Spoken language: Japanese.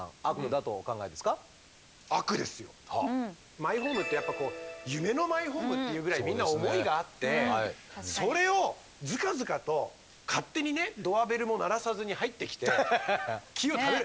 マイホームってやっぱこう「夢のマイホーム」っていうぐらいみんな思いがあってそれをずかずかと勝手にねドアベルも鳴らさずに入ってきて木を食べる。